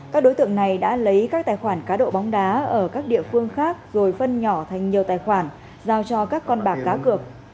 các đối tượng này đã lấy các tài khoản cá độ bóng đá ở các địa phương khác rồi phân nhỏ thành nhiều tài khoản giao cho các con bạc cá cược